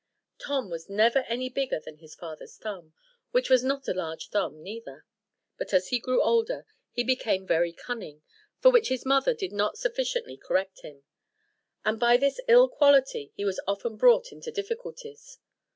Tom was never any bigger than his father's thumb, which was not a large thumb neither; but as he grew older, he became very cunning, for which his mother did not sufficiently correct him: and by this ill quality he was often brought into difficulties.